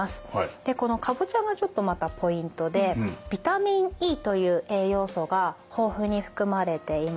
でこのカボチャがちょっとまたポイントでビタミンＥという栄養素が豊富に含まれています。